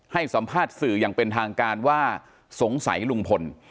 ให้สัมภาษณ์สื่ออย่างเป็นทางการว่าสงสัยลุงพล